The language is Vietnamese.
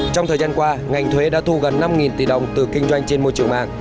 trong thời gian qua ngành thuế đã thu gần năm tỷ đồng từ kinh doanh trên môi trường mạng